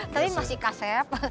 tapi masih kasep